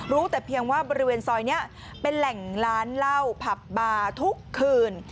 แต่เพียงว่าบริเวณซอยนี้เป็นแหล่งร้านเหล้าผับบาร์ทุกคืน